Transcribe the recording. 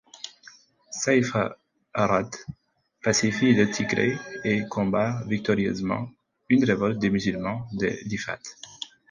Saïfa-Arad pacifie le Tigré et combat victorieusement une révolte des Musulmans de l’Ifat.